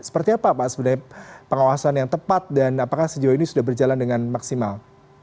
seperti apa pak sebenarnya pengawasan yang tepat dan apakah sejauh ini sudah berjalan dengan maksimal